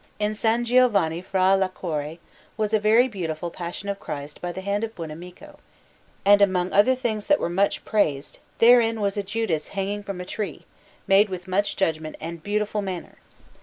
In S. Giovanni fra l'Arcore was a very beautiful Passion of Christ by the hand of Buonamico, and among other things that were much praised therein was a Judas hanging from a tree, made with much judgment and beautiful manner.